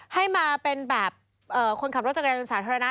ให้มาเป็นแบบคนขับรถจักรยานยนต์สาธารณะ